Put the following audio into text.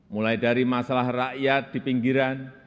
mulai dari masalah rakyat di pinggiran